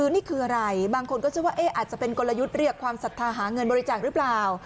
นี่คืออะไรบางคนก็เชื่อว่าอาจจะเป็นกลยุทธ์เรียกความศรัทธาหาเงินบริจาคหรือเปล่า